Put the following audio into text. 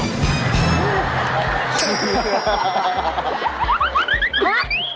อะไร